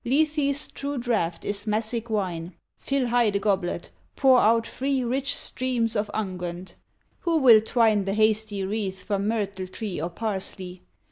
Lethe's true draught is Massic wine; Fill high the goblet; pour out free Rich streams of unguent. Who will twine The hasty wreath from myrtle tree Or parsley?